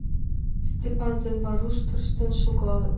Степан ден Варуш тӧрштен шогалыт.